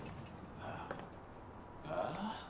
ああ？